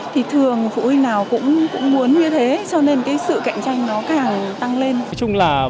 thì thường phụ huynh nào cũng muốn như thế cho nên cái sự cạnh tranh nó càng tăng lên